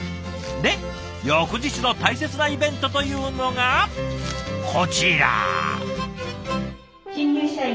で翌日の大切なイベントというのがこちら。